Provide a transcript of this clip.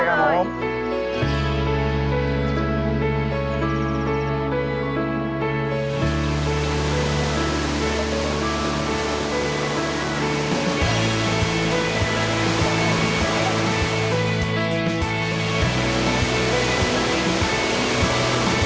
เย็นมากสดชื่นมาก